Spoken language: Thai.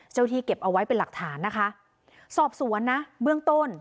ที่เก็บเอาไว้เป็นหลักฐานนะคะสอบสวนนะเบื้องต้น